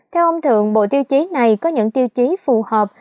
theo ông thượng bộ tiêu chí này có những tiêu chí phù hợp